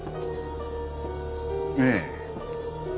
ええ。